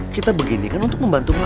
kita begini kan untuk membantu mak elos